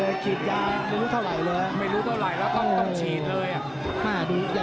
๓ยกนี้ยิ้มเลยนะ